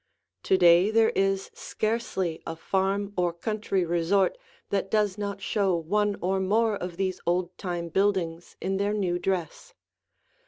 To day there is scarcely a farm or country resort that does not show one or more of these old time buildings in their new dress.